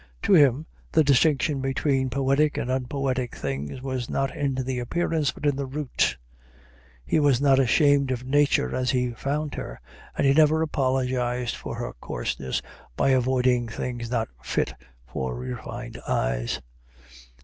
To him the distinction between poetic and unpoetic things was not in the appearance, but in the root. He was not ashamed of Nature as he found her, and he never apologized for her coarseness by avoiding things not fit for refined eyes.